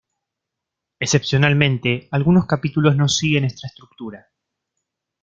Excepcionalmente algunos capítulos no siguen esta estructura.